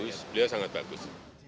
oh beliau sangat bagus